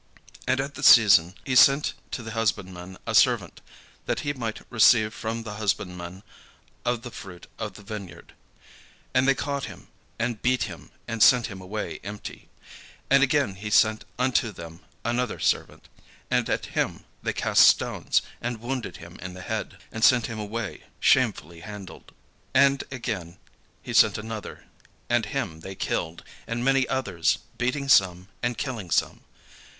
And at the season he sent to the husbandmen a servant, that he might receive from the husbandman of the fruit of the vineyard. And they caught him, and beat him, and sent him away empty. And again he sent unto them another servant; and at him they cast stones, and wounded him in the head, and sent him away shamefully handled. And again he sent another; and him they killed, and many others; beating some, and killing some.